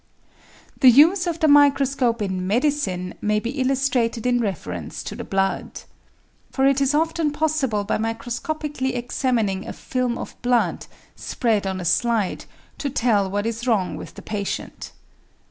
The use of the microscope in medicine may be illustrated in reference to the blood. For it is often possible by microscopically examining a film of blood, spread on a slide, to tell what is wrong with the patient.